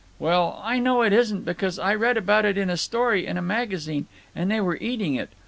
"Well, I know it isn't, because I read about it in a story in a magazine. And they were eating it.